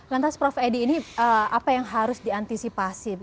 lantas prof edi ini apa yang harus diantisipasi